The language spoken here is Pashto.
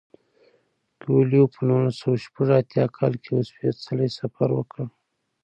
کویلیو په نولس سوه شپږ اتیا کال کې یو سپیڅلی سفر وکړ.